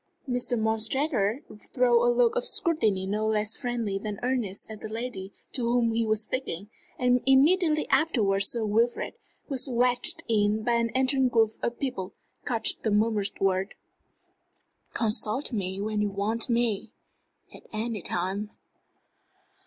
Mr. Montresor threw a look of scrutiny no less friendly than earnest at the lady to whom he was speaking; and immediately afterwards Sir Wilfrid, who was wedged in by an entering group of people, caught the murmured words: "Consult me when you want me at any time."